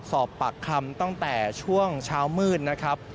สอบปากคำตั้งแต่ช่วงเช้ามืดนะครับ